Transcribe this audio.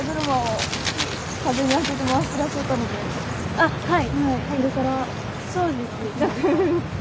あっはい。